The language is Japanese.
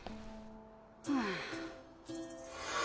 はあ。